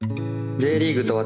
「Ｊリーグと私」